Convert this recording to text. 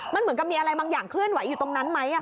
มันเหมือนกับมีอะไรบางอย่างเคลื่อนไหวอยู่ตรงนั้นไหม